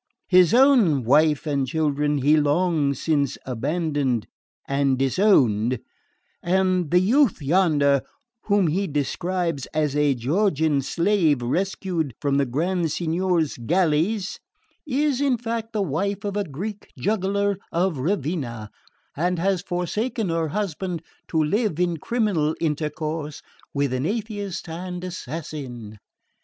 His own wife and children he long since abandoned and disowned; and the youth yonder, whom he describes as a Georgian slave rescued from the Grand Signior's galleys, is in fact the wife of a Greek juggler of Ravenna, and has forsaken her husband to live in criminal intercourse with an atheist and assassin."